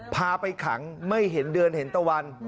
พาไปขังไม่เห็นเดือนเห็นตะวัน